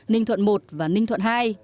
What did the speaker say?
ninh thuận một và ninh thuận hai